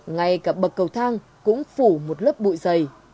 ngay cả bậc cầu thang cũng phủ một lớp bụi dày